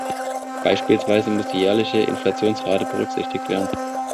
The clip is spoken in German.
Beispielsweise muss die jährliche Inflationsrate berücksichtigt werden.